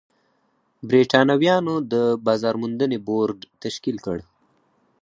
برېټانویانو د بازار موندنې بورډ تشکیل کړ.